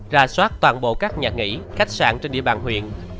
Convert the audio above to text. ra soát toàn bộ các nhà nghỉ khách sạn trên địa bàn huyện